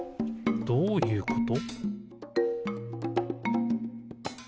どういうこと？